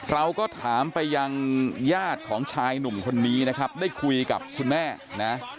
เราก็ถามไปยังญาติของชายหนุ่มคนนี้นะครับได้คุยกับคุณแม่นะ